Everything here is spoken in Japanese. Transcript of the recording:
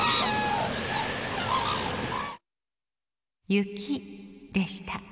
「雪」でした。